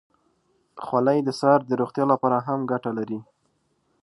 خولۍ د سر د روغتیا لپاره هم ګټه لري.